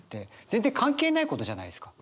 全然関係ないことじゃないですか。